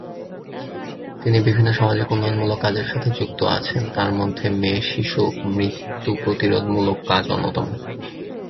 তিনি বিভিন্ন সামাজিক উন্নয়নমূলক কাজের সাথে যুক্ত আছেন তার মধ্যে মেয়ে শিশু মৃত্যু প্রতিরোধমূলক কাজ অন্যতম।